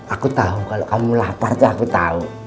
aku tau kalau kamu lapar itu aku tau